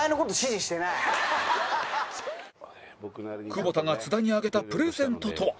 久保田が津田にあげたプレゼントとは？